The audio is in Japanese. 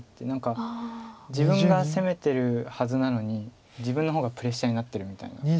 何か自分が攻めてるはずなのに自分の方がプレッシャーになってるみたいな。